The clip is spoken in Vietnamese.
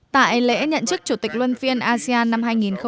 tại lễ nhận chức chủ tịch luân phiên asean năm hai nghìn một mươi tám